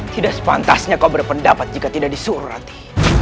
tidak sepatahnya kau berpendapat jika tidak disuruh hati